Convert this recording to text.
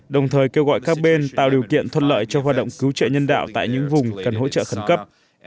đồng thời kêu gọi các bên tạo điều kiện thuận lợi cho hoạt động cứu trợ nhân đạo tại những vùng cần hỗ trợ khẩn cấp